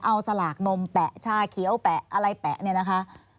เอาสลากนมแปะชาเขียวแปะอะไรแปะเนี่ยนะคะ